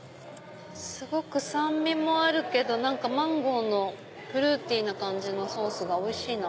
すごく酸味もあるけどマンゴーのフルーティーな感じのソースがおいしいな。